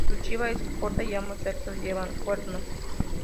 Su chiva es corta, y ambos sexos llevan cuernos.